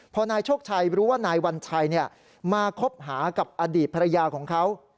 พอนายโชคชัยรู้ว่านายวัญชัยมาคบหากับอดีตภรรยาของเขา